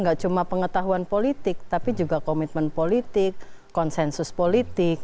gak cuma pengetahuan politik tapi juga komitmen politik konsensus politik